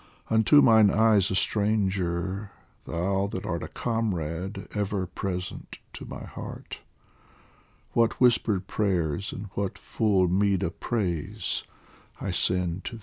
Unto mine eyes a stranger, thou that art A comrade ever present to my heart, What whispered prayers and what full meed of praise I send to thee.